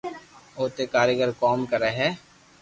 اوتي ڪاريگر ڪوم ڪري ھي